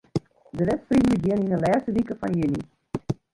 De wedstriden begjinne yn 'e lêste wike fan juny.